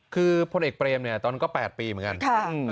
คือพลเอกเปรมเนี่ยตอนนั้นก็๘ปีเหมือนกัน